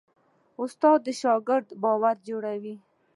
استاد د شاګرد باور جوړوي.